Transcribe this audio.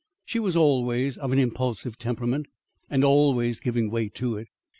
She was always of an impulsive temperament, and always giving way to it.